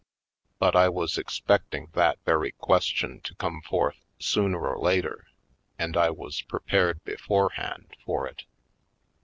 But I was expecting that very question to come forth sooner or later, and I was prepared beforehand for it.